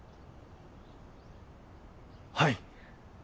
はい！